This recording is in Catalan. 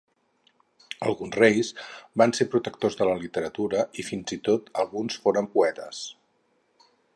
Alguns reis van ser protectors de la literatura i fins i tot alguns foren poetes.